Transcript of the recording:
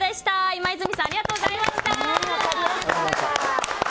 今泉さんありがとうございました。